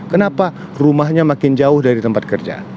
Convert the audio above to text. kenapa rumahnya makin jauh dari tempat kerja